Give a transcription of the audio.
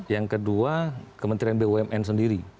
yang kedua kementerian bumn sendiri